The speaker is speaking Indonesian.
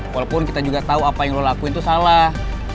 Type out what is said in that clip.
walaupun kita juga tahu apa yang lo lakuin itu salah